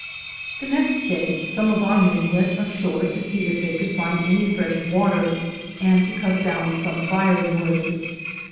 The nexte Day som of our men went a shore to se yf they could find any freshe water, and to cut doune som ficr wood.